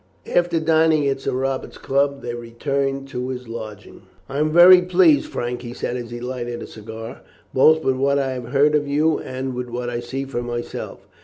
After dining at Sir Robert's club they returned to his lodgings. "I am very pleased, Frank," he said as he lighted a cigar, "both with what I have heard of you and with what I see for myself.